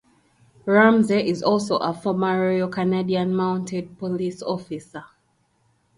Ramsay is also a former Royal Canadian Mounted Police officer.